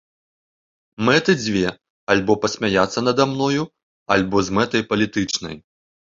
Мэты дзве, альбо пасмяяцца нада мною, альбо з мэтай палітычнай.